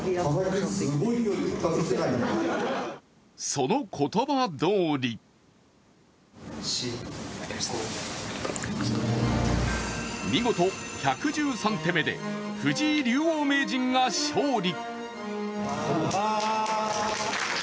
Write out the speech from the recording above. その言葉どおり見事１１３手目で藤井竜王名人が勝利。